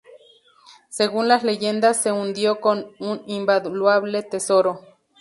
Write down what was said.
Según las leyendas, se hundió con un invaluable tesoro.